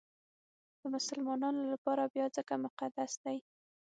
د مسلمانانو لپاره بیا ځکه مقدس دی.